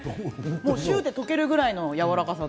シュって溶けるぐらいのやわらかさ。